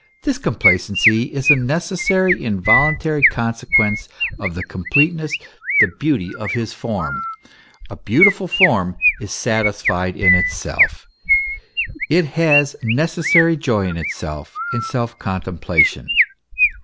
This complacency is a necessary, involuntary conse quence of the completeness, the beauty of his form. A beau tiful form is satisfied in itself; it has necessarily joy in itself in self contemplation.